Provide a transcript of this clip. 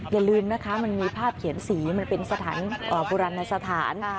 อย่าลืมนะคะมันมีภาพเขียนสีมันเป็นสถานโบราณสถาน